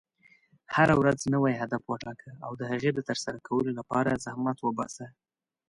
هره ورځ نوی هدف وټاکه، او د هغې د ترسره کولو لپاره زحمت وباسه.